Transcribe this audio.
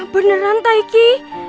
beneran tai ki